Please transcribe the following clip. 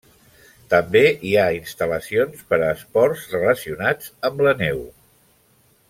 També hi ha instal·lacions per a esports relacionats amb la neu.